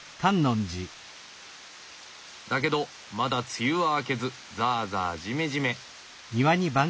だけどまだ梅雨は明けずザーザージメジメ。